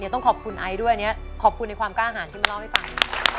ต้องขอบคุณไอซ์ด้วยอันนี้ขอบคุณในความกล้าหารที่มาเล่าให้ฟัง